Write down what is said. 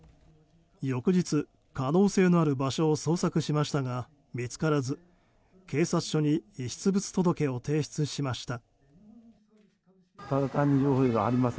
翌日、可能性のある場所を捜索しましたが見つからず、警察署に遺失物届を提出しました。